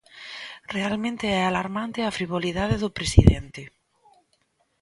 Realmente é alarmante a frivolidade do presidente.